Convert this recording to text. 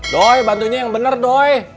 doi bantunya yang bener doi